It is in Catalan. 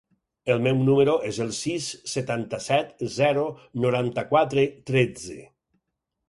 El meu número es el sis, setanta-set, zero, noranta-quatre, tretze.